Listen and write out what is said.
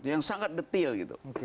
yang sangat detail gitu